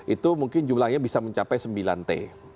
itu mungkin jumlahnya bisa mencapai sembilan t